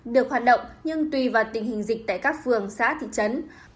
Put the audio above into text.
được hoạt động nhưng tùy vào tình hình dịch tại các phường xã thị trấn